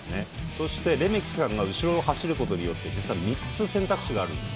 そして、レメキさんが後ろを走ることによって実は３つ選択肢があるんです。